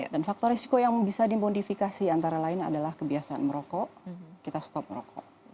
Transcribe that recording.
dan faktor resiko yang bisa dimodifikasi antara lain adalah kebiasaan merokok kita stop merokok